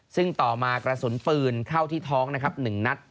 ซึ่งต่อมากระสุนปืนเข้าที่ท้องนะครับ๑นัด